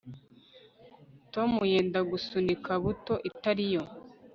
Tom yenda gusunika buto itariyo